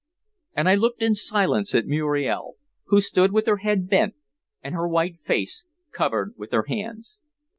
And I looked in silence at Muriel, who stood with her head bent and her white face covered with her hands.